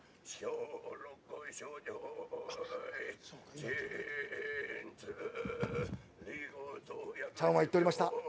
チャンは言っておりました。